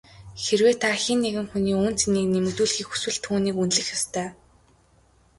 Хэрвээ та хэн нэгэн хүний үнэ цэнийг нэмэгдүүлэхийг хүсвэл түүнийг үнэлэх ёстой.